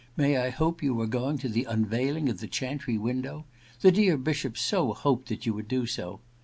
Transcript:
May I hope you are going to the unveiling of the chantry window ? The dear Bishop so hoped that you would do so